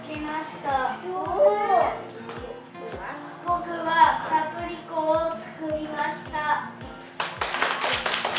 僕はカプリコを作りました。